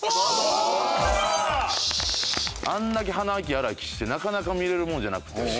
あんだけ鼻息荒い岸ってなかなか見れるものじゃなくて。